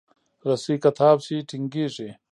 رسۍ که تاو شي، ټینګېږي.